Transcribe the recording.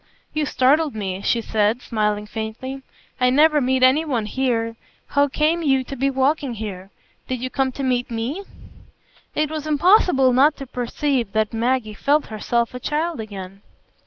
"You startled me," she said, smiling faintly; "I never meet any one here. How came you to be walking here? Did you come to meet me?" It was impossible not to perceive that Maggie felt herself a child again.